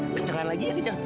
kenceng kan lagi ya kenceng